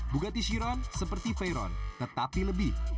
bugatti chiron seperti veyron tetapi lebih